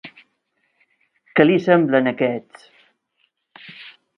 Què li semblen aquests!?